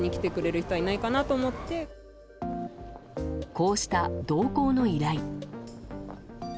こうした同行の依頼。